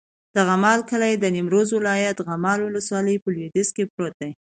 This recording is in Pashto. د غمال کلی د نیمروز ولایت، غمال ولسوالي په لویدیځ کې پروت دی.